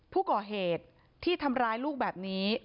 ผู้ก่อเหตุที่ทำร้ายลูกแบบนี้